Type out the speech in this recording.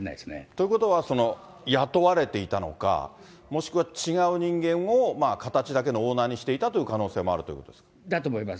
ということは、雇われていたのか、もしくは違う人間を形だけのオーナーにしていたという可能性もあだと思います。